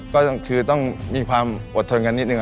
ก็คือต้องมีความอดทนกันนิดนึง